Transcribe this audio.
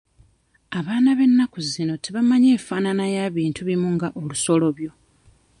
Abaana b'ennaku zino tebamanyi nfaanana ya bintu ebimu nga olusolobyo.